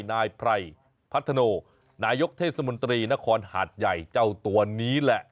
นายไพรพัฒโนนายกเทศมนตรีนครหาดใหญ่เจ้าตัวนี้แหละ